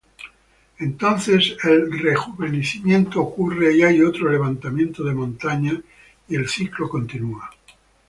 Entonces, el "rejuvenecimiento" ocurre y hay otro levantamiento de montañas y el ciclo continúa.